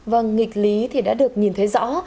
vâng nghịch lý thì đã được nhìn thấy rõ